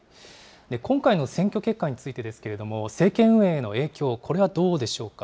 今回の選挙結果についてですけれども、政権運営への影響、これはどうでしょうか。